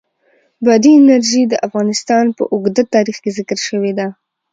بادي انرژي د افغانستان په اوږده تاریخ کې ذکر شوې ده.